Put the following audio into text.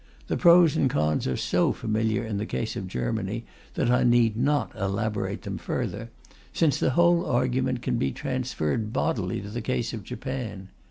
The pros and cons are so familiar in the case of Germany that I need not elaborate them further, since the whole argument can be transferred bodily to the case of Japan.